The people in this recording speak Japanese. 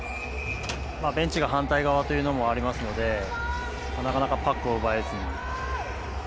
ベンチが反対側というのもありますのでなかなかパックを奪えずに。